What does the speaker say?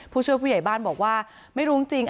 ผู้ช่วยผู้ใหญ่บ้านบอกว่าไม่รู้จริง